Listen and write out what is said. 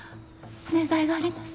お願いがあります。